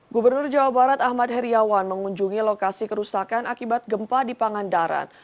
gubernur jawa barat ahmad heriawan mengunjungi lokasi kerusakan akibat gempa di pangandaran